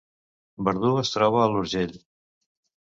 Verdú es troba a l’Urgell